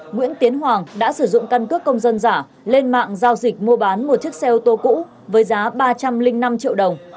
nguyễn tiến hoàng đã sử dụng căn cước công dân giả lên mạng giao dịch mua bán một chiếc xe ô tô cũ với giá ba trăm linh năm triệu đồng